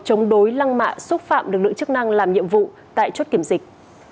chống đối lăng mạ xúc phạm lực lượng chức năng làm nhiệm vụ tại chốt kiểm dịch